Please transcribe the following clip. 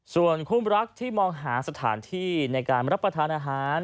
ส่วนคู่รักที่มองหาสถานที่ในการรับประทานอาหาร